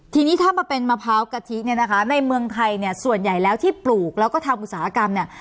ทีนี้ถ้ามาเป็นมะพร้าวกะทิเนี่ยนะคะในเมืองไทยเนี่ยส่วนใหญ่แล้วที่ปลูกแล้วก็ทำอุตสาหกรรมเนี่ย